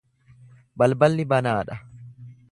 Balballi banaa dha.